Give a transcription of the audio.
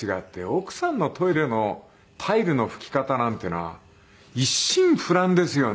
奥さんのトイレのタイルの拭き方なんていうのは一心不乱ですよね。